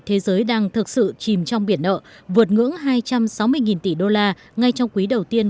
thế giới đang thực sự chìm trong biển nợ vượt ngưỡng hai trăm sáu mươi tỷ đô la ngay trong quý đầu tiên